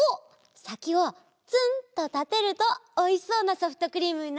さきをツンとたてるとおいしそうなソフトクリームになるよ。